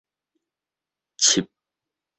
艥